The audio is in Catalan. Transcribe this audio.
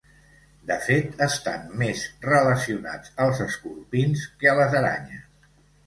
De fet estan més relacionats als escorpins que a les aranyes.